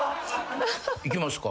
いきますか。